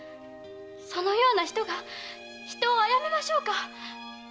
そのような人が人を殺めましょうか？